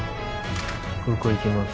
ここいきます